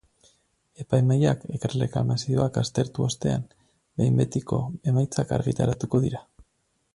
Epaimahaiak erreklamazioak aztertu ostean, behin betiko emaitzak argitaratuko dira.